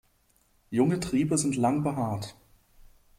Junge Triebe sind lang behaart.